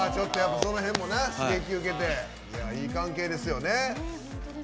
その辺も刺激を受けていい関係ですよね。